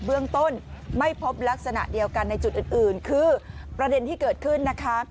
เบื้องต้นไม่พบลักษณะเดียวกันในจุดอื่นคือประเด็นที่เกิดขึ้นนะคะ